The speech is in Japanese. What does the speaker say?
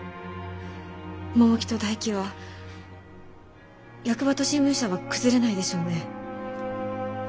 百喜と大喜は役場と新聞社は崩れないでしょうね？